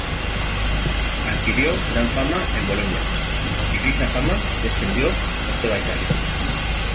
Adquirió gran fama en Bolonia, y dicha fama se extendió por toda Italia.